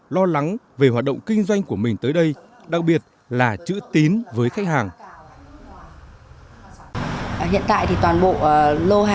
lo lắng về hoạt động kinh doanh của mình tới đây đặc biệt là chữ tín với khách hàng